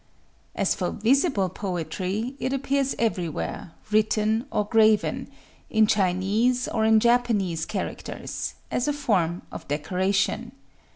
As for visible poetry, it appears everywhere, written or graven,—in Chinese or in Japanese characters,—as a form of decoration.